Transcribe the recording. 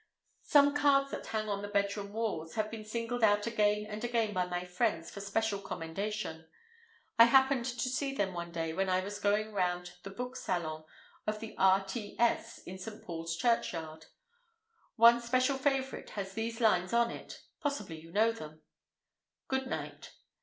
Some cards that hang on the bedroom walls have been singled out again and again by my friends for special commendation. I happened to see them one day when I was going round the Book Saloon of the R.T.S. in St. Paul's Churchyard. One special favourite has these lines on it (possibly you know them?):— GOOD NIGHT.